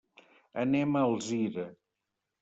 Anem a Alzira.